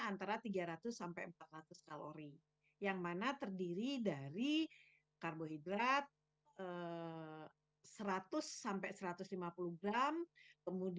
antara tiga ratus sampai empat ratus kalori yang mana terdiri dari karbohidrat seratus sampai satu ratus lima puluh gram kemudian